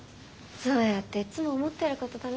そうやっていつも思ってること